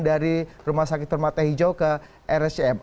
dari rumah sakit permata hijau ke rscm